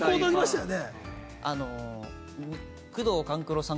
宮藤官九郎さん